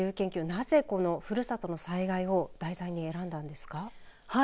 なぜ、ふるさとの災害を題材に選んだんですか。